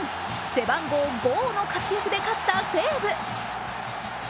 背番号ゴーの活躍で勝った西武。